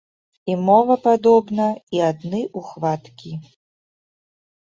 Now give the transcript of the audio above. І мова падобна, і адны ухваткі.